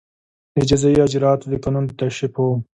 د جزایي اجراآتو د قانون د توشېح په